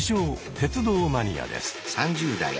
鉄道マニアです。